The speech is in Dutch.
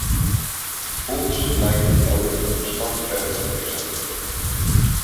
Ons lijkt het nodig een stap verder te zetten.